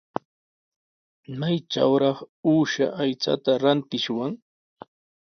¿Maytrawraq uusha aychata rantishwan?